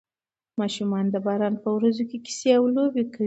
ماشومان د باران په ورځو کې کیسې او لوبې کوي.